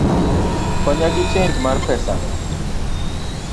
Konya gi chenj mar pesani